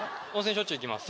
しょっちゅう行きます。